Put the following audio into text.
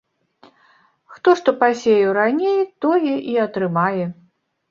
Хто што пасеяў раней, тое і атрымае.